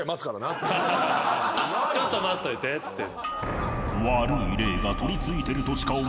「ちょっと待っといて」っつって。